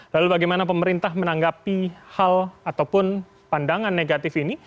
lalu bagaimana pemerintah menanggapi hal ataupun pandangan negatif ini